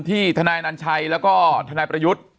ทนายนัญชัยแล้วก็ทนายประยุทธ์